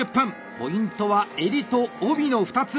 ポイントは襟と帯の２つ。